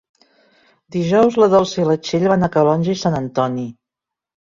Dijous na Dolça i na Txell van a Calonge i Sant Antoni.